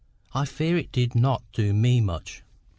I fear it did not do me much.